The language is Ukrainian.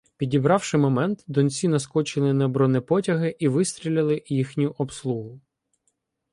Підібравши момент, донці наскочили на бронепотяги і вистріляли їхню обслугу.